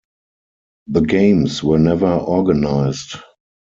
The games were never organized.